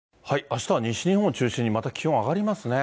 あしたは西日本を中心にまた気温、上がりますね。